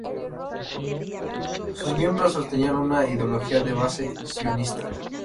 Sus miembros sostenían una ideología de base sionista.